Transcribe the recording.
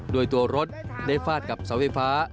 โดยตัวรถได้ฟาดกับเสาไฟฟ้า